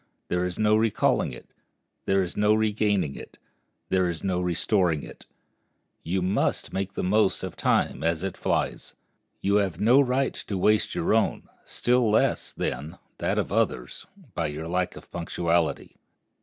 There is no recalling it; there is no regaining it; there is no restoring it. You must make the most of time as it flies. You have no right to waste your own, still less, then, that of others, by your lack of punctuality.